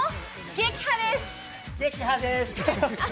撃破です。